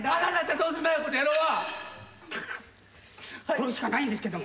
これしかないんですけども。